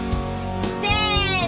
せの！